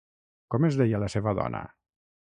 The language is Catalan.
Com es deia la seva dona?